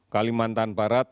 kalimantan barat delapan